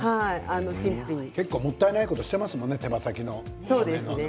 結構もったいないことしていますよね手羽先の周りの。